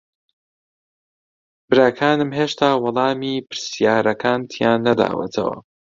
براکانم هێشتا وەڵامی پرسیارەکانتیان نەداوەتەوە.